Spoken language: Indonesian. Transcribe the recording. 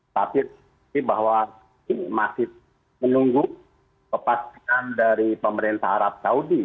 tapi bahwa masih menunggu kepastian dari pemerintah arab saudi